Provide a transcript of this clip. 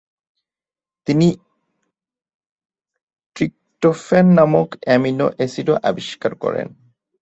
তিনি ট্রিপ্টোফ্যান নামক এমিনো এসিডও আবিষ্কার করেন।